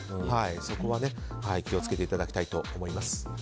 そこは気を付けていただきたいと思います。